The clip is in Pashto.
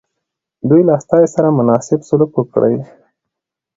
دوی له استازي سره مناسب سلوک وکړي.